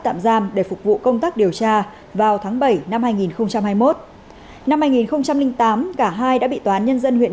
tạm giam để phục vụ công tác điều tra vào tháng bảy năm hai nghìn hai mươi một năm hai nghìn tám cả hai đã bị toán nhân dân